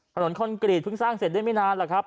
คอนกรีตเพิ่งสร้างเสร็จได้ไม่นานหรอกครับ